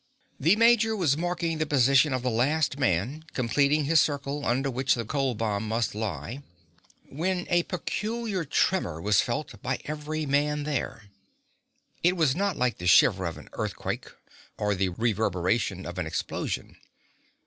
The major was marking the position of the last man, completing his circle under which the cold bomb must lie, when a peculiar tremor was felt by every man there. It was not like the shiver of an earthquake or the reverberation of an explosion.